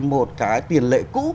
một cái tiền lệ cũ